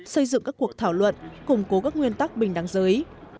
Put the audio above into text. xây dựng các cuộc thảo luận củng cố các nguyên tắc bình đẳng giới